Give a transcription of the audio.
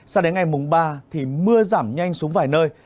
sao đến ngày mùng ba thì mưa giảm nhanh xuống vài nơi